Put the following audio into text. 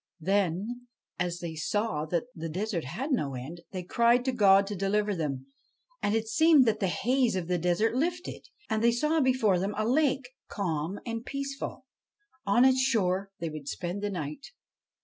Then, as they saw that the forest had no end, they cried to God to deliver them. And it seemed that the haze of the desert lifted, and they saw before them a lake, calm and peaceful. On its shore they would spend the night.